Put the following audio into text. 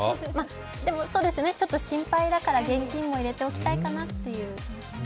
でも、そうですよね、ちょっと心配だから現金も入れておきたいかなと。